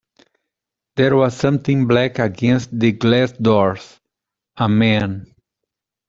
There was something black against the glass doors — a man.